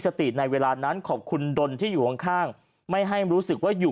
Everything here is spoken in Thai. สติในเวลานั้นขอบคุณดนที่อยู่ข้างไม่ให้รู้สึกว่าอยู่